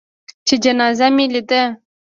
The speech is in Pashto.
چې جنازه مې لېده.